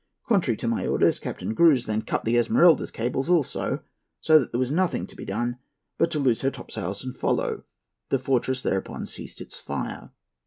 Contrary to my orders, Captain Gruise then cut the Esmeralda's cables also, so that there was nothing to be done but to loose her topsails and follow. The fortress thereupon ceased its fire.